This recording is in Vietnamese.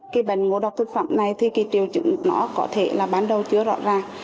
cái bệnh ngộ độc thực phẩm này thì cái triều chứng nó có thể là bán đầu chứa rõ ràng